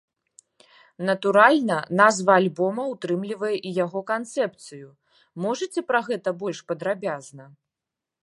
Натуральна, назва альбома ўтрымлівае і яго канцэпцыю, можаце пра гэта больш падрабязна?